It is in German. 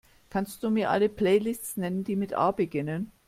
Kannst Du mir alle Playlists nennen, die mit A beginnen?